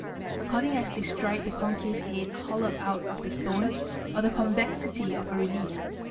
according as they strike the concave head hollowed out of the stone c the convexity of a relief.